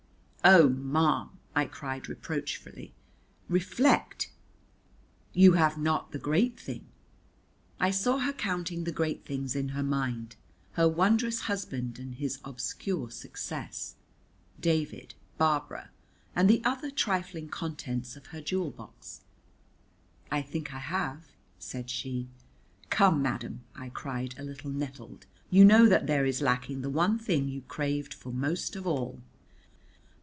"Oh, ma'am," I cried reproachfully, "reflect. You have not got the great thing." I saw her counting the great things in her mind, her wondrous husband and his obscure success, David, Barbara, and the other trifling contents of her jewel box. "I think I have," said she. "Come, madam," I cried a little nettled, "you know that there is lacking the one thing you craved for most of all."